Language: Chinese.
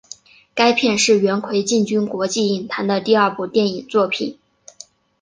该片是元奎进军国际影坛的第二部电影作品。